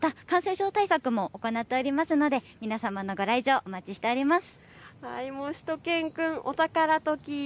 また感染症対策も行っておりますので、皆様のご来場お待ちしております。